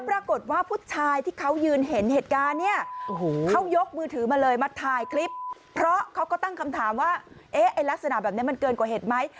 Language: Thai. รักษณะแบบนี้มันเกินกว่าเหตุไหม